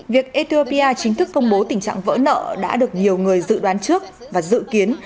việc ethiopia chính thức công bố tình trạng vỡ nợ đã được nhiều người dự đoán trước và dự kiến